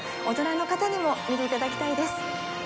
大人の方にも見ていただきたいです。